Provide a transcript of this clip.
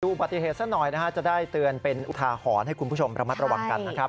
อุบัติเหตุซะหน่อยนะฮะจะได้เตือนเป็นอุทาหรณ์ให้คุณผู้ชมระมัดระวังกันนะครับ